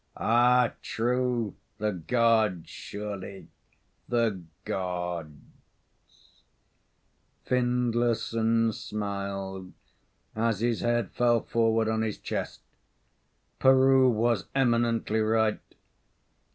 "Ah, true! The Gods surely the Gods." Findlayson smiled as his head fell forward on his chest. Peroo was eminently right.